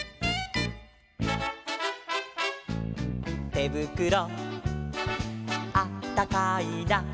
「てぶくろあったかいな」